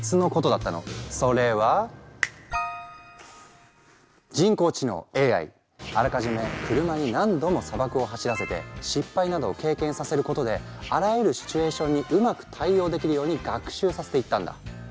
それはあらかじめ車に何度も砂漠を走らせて失敗などを経験させることであらゆるシチュエーションにうまく対応できるように学習させていったんだ。